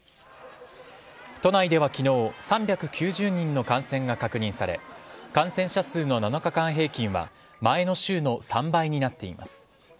都内では昨日３９０人の感染が確認され感染者数の７日間平均は前の週の３倍になっています。